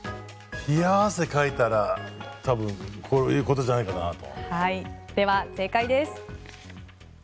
冷や汗かいたら多分こういうことじゃないかなと。